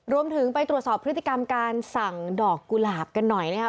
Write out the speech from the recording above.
รวมถึงไปตรวจสอบพฤติกรรมการสั่งดอกกุหลาบกันหน่อยนะครับ